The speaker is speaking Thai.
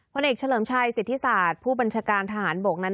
ผลเอกเฉลิมชัยสิทธิศาสตร์ผู้บัญชาการทหารบกนั้น